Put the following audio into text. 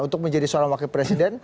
untuk menjadi seorang wakil presiden